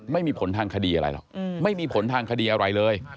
ไม่มีผลทางคดีอะไรหรอกไม่มีผลทางคดีอะไรเลย